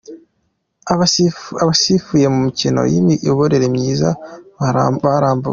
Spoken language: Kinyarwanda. Abasifuye mu mikino y’imiyoborere myiza barambuwe